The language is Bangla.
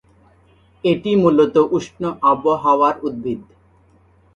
এটি মূলতঃ উষ্ণ আবহাওয়ার উদ্ভিদ।